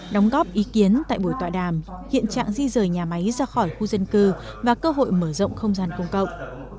đóng góp ý kiến tại buổi tọa đàm hiện trạng di rời nhà máy ra khỏi khu dân cư và cơ hội mở rộng không gian công cộng